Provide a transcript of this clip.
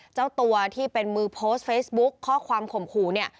เจ้าตัวที่เป็นมือโพสต์เฟซบุ๊กข้อความข่มขู่เนี่ย